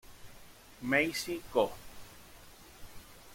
Macy Co.